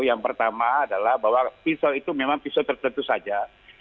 yang pertama adalah bahwa pisau itu memang pisau tertentu saja